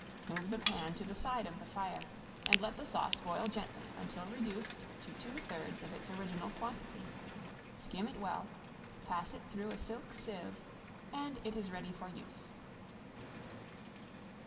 Move the pan to the side of the fire and let the sauce boil gently until reduced to two thirds of its original quantity. Skim it well, pass it through a silk sieve, and it is ready for use.